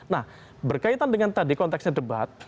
nah berkaitan dengan tadi konteksnya debat